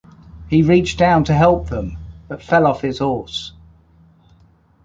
He reached down to help them, but fell off his horse.